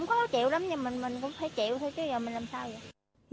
người dân ở đây liệu có còn phải sống chung